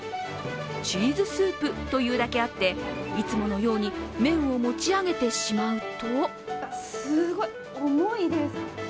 チーズスープというだけあっていつものように麺を持ち上げてしまうとすごい、重いです。